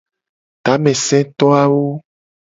Tameseto awo.